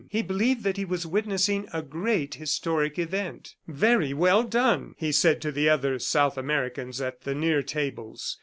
He believed that he was witnessing a great historic event. "Very well done!" he said to the other South Americans at the near tables.